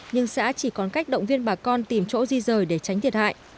nhưng xã chỉ còn cách động viên bà con tìm chỗ di rời để tránh thiệt hại